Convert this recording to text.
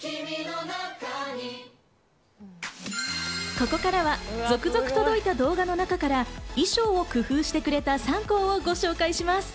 ここからは続々届いた動画の中から衣装を工夫してくれた３校をご紹介します。